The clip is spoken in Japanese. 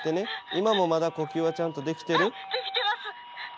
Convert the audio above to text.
今もまだ呼吸はちゃんとできてる？